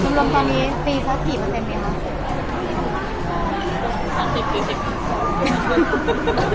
กลุ่มรวมตอนนี้ฟรีศาสตร์กี่เปอร์เซ็นต์มีอารมณ์เสร็จ